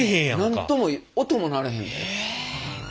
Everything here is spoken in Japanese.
何とも音も鳴らへん。